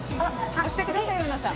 押してくださいうのさん。